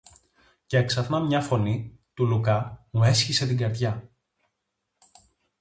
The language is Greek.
Κι έξαφνα μια φωνή, του Λουκά, μου έσχισε την καρδιά.